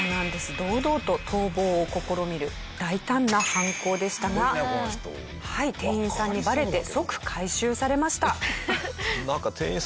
堂々と逃亡を試みる大胆な犯行でしたがはい店員さんにバレて即回収されました。